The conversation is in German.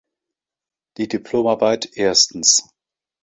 Die Diplomarbeit „"I.